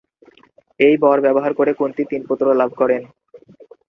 এই বর ব্যবহার করে কুন্তী তিন পুত্র লাভ করেন।